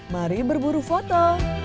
mari berburu foto